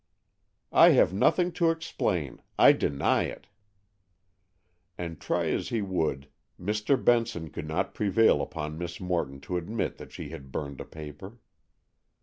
"I have nothing to explain. I deny it." And try as he would Mr. Benson could not prevail upon Miss Morton to admit that she had burned a paper.